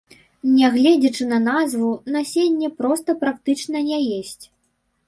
Нягледзячы на назву, насенне проса практычна не есць.